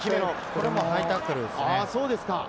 これもハイタックルですね。